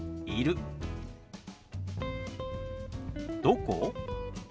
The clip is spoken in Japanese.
「どこ？」。